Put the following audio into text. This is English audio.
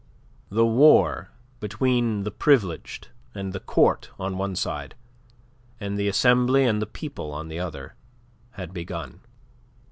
The war between the Privileged and the Court on one side, and the Assembly and the People on the other had begun.